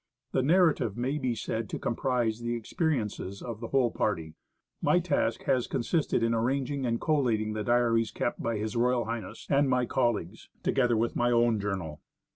The narrative may be said to comprise the experiences of the whole party. My task has consisted in arranging and collating the diaries kept by H.R.H. and my colleagues, together with my own journal.